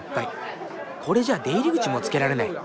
これじゃあ出入り口も付けられない。